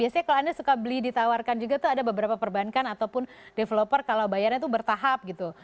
biasanya kalau anda suka beli ditawarkan juga tuh ada beberapa perbankan ataupun developer kalau bayarnya tuh bertahap gitu